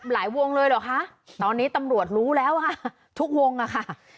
วงเลยเหรอคะตอนนี้ตำรวจรู้แล้วค่ะทุกวงอะค่ะ